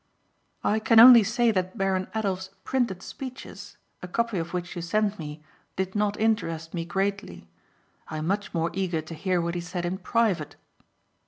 "I can only say that Baron Adolf's printed speeches, a copy of which you sent me, did not interest me greatly. I am much more eager to hear what he said in private."